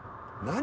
何？